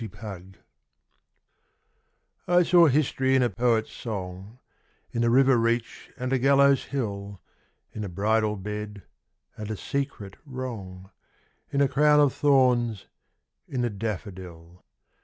SYMBOLS I saw history in a poet's song, In a river reach and a gallows hill, In a bridal bed, and a secret wrong, In a crown of thorns: in a daffodil.